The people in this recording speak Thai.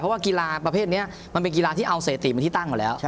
เพราะว่ากีฬาประเภทนี้มันเป็นกีฬาที่เอาเศรษฐีเป็นที่ตั้งอยู่แล้ว